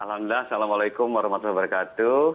alhamdulillah assalamualaikum warahmatullahi wabarakatuh